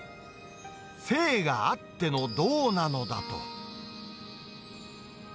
静があっての動なのだと。